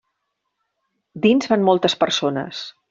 Dins van moltes persones.